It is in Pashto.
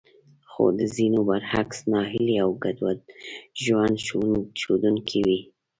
خو د ځينو برعکس ناهيلي او ګډوډ ژوند ښودونکې وې.